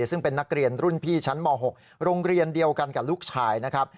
ซึ่งเป็นนักเรียนรุ่นพี่ชั้นม๖โรงเรียนเดียวกันกับลูกชายนะครับ